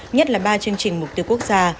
nhất là ba chương trình mục tiêu quốc gia